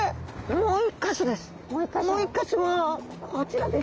もう一か所はこちらです。